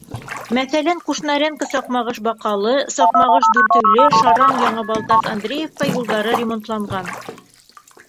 Мәҫәлән, Кушнаренко — Саҡмағош — Баҡалы, Саҡмағош — Дүртөйлө, Шаран — Яңы Балтас — Андреевка юлдары ремонтланған.